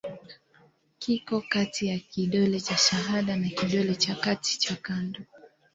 Kiko kati ya kidole cha shahada na kidole cha kati cha kando.